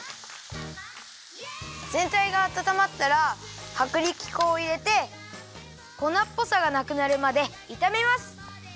ぜんたいがあたたまったらはくりき粉をいれてこなっぽさがなくなるまでいためます。